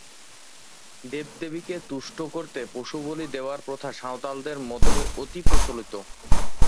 দেব-দেবীকে তুষ্ট করতে পশুবলি দেওয়ার প্রথা সাঁওতালদের মধ্যে অতি প্রচলিত।